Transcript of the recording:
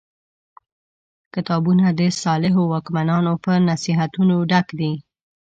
کتابونه د صالحو واکمنانو په نصیحتونو ډک دي.